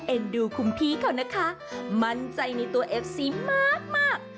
ดูคุณพี่เขานะคะมั่นใจในตัวเอฟซีมาก